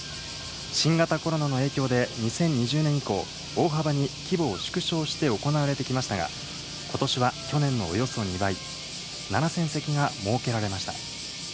新型コロナの影響で、２０２０年以降、大幅に規模を縮小して行われてきましたが、ことしは去年のおよそ２倍、７０００席が設けられました。